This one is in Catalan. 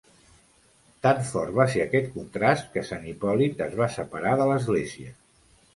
Tan fort va ser aquest contrast que Sant Hipòlit es va separar de l'Església.